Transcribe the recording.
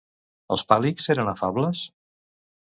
Els Palics eren afables?